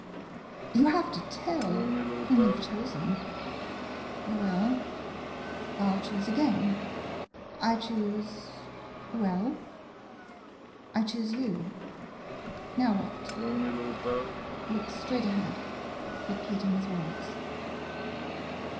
You have to tell whom you 've chosen ? Oh, well — I '11 choose again. I choose — well — I choose you. Now what ? [Looks straight ahead, repeating his words.